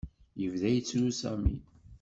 Yebda yettru Sami.